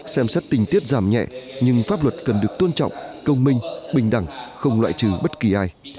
xem xét tình tiết giảm nhẹ nhưng pháp luật cần được tôn trọng công minh bình đẳng không loại trừ bất kỳ ai